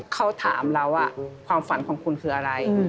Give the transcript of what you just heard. เขาถามเราว่าความฝันของคุณคืออะไร